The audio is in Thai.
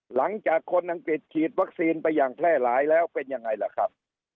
หลังจากคนอังกฤษฉีดวัคซีนไปอย่างแพร่หลายแล้วเป็นยังไงล่ะครับ